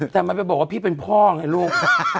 แต่มันไปบอกว่าพี่เป็นพ่อไงลูก